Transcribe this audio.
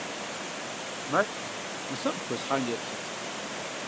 Мэт, мы сэ къыпхуэсхьам еплъыт.